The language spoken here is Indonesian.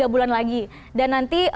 tiga bulan lagi dan nanti